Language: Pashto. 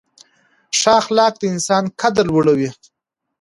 ښه اخلاق د انسان قدر لوړوي.